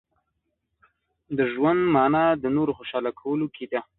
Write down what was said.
• د ژوند مانا د نورو خوشحاله کولو کې ده.